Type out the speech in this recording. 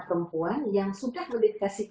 perempuan yang sudah memiliki